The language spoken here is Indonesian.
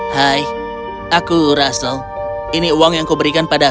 hai aku russell ini uang yang kau berikan padaku